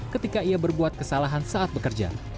ketika ia berbuat kesalahan saat bekerja